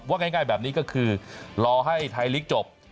ว่าง่ายแบบนี้ก็คือรอให้ไทยลีกจบ